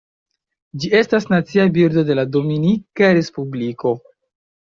Ĝi estas Nacia birdo de la Dominika Respubliko.